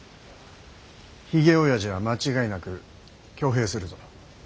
ひげおやじは間違いなく挙兵するぞ。